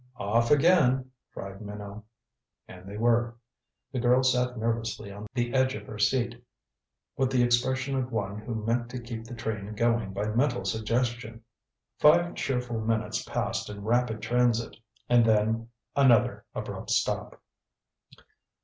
"Off again," cried Minot. And they were. The girl sat nervously on the edge of her seat, with the expression of one who meant to keep the train going by mental suggestion. Five cheerful minutes passed in rapid transit. And then another abrupt stop.